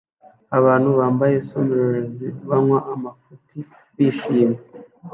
Abantu bambaye sombreros banywa amafuti bishimye